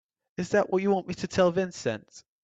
Is that what you want me to tell Vincent?